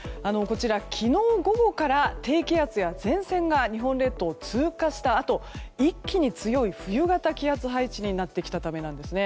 昨日午後から低気圧や前線が日本列島を通過したあと一気に、強い冬型気圧配置になってきたためなんですね。